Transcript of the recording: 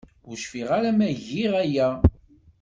Ur cfiɣ ara ma giɣ aya.